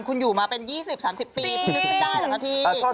คุณอยู่มาเป็นยี่สิบสามสิบปีด้ายเหรอคะพี่ทำไมจริง